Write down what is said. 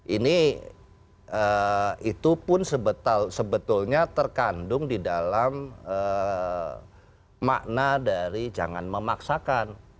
ini itu pun sebetulnya terkandung di dalam makna dari jangan memaksakan